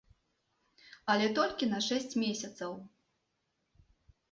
Але толькі на шэсць месяцаў.